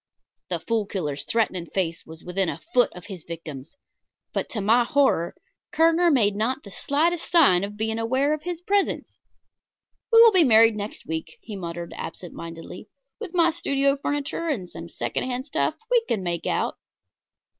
The Fool Killer's threatening face was within a foot of his victim's; but to my horror, Kerner made not the slightest sign of being aware of his presence. "We will be married next week," he muttered absent mindedly. "With my studio furniture and some second hand stuff we can make out."